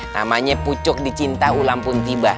namanya pucuk dicinta ulang pun tiba